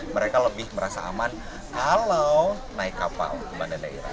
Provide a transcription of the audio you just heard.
mereka lebih merasa aman kalau naik kapal ke banda daerah